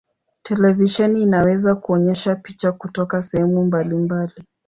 Televisheni inaweza kuonyesha picha kutoka sehemu mbalimbali.